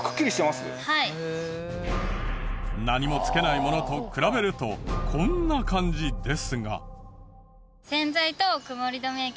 何もつけないものと比べるとこんな感じですが。